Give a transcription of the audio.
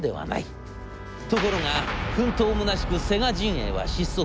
ところが奮闘むなしくセガ陣営は失速。